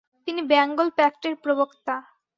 তিনি ব্যাঙ্গল প্যাক্ট এর প্রবক্তা।